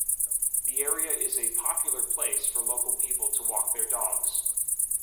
The area is a popular place for local people to walk their dogs.